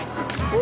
お！